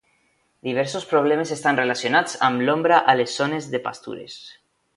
Diversos problemes estan relacionats amb l'ombra a les zones de pastures.